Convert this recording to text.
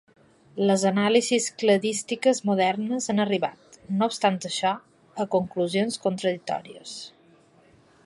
Les anàlisis cladístiques modernes han arribat, no obstant això, a conclusions contradictòries.